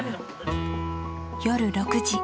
夜６時。